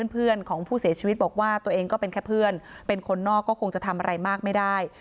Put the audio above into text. เพื่อนของผู้เสียชีวิตบอกว่าตัวเองก็เป็นแค่เพื่อนเป็นคนนอกก็คงจะทำอะไรมากไม่ได้